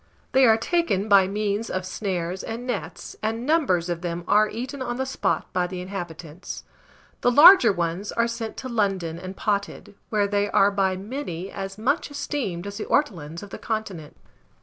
They are taken by means of snares and nets, and numbers of them are eaten on the spot by the inhabitants. The larger ones are sent to London and potted, where they are by many as much esteemed as the ortolans of the continent.